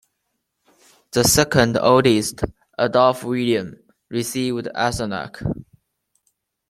The second eldest, Adolf William, received Eisenach.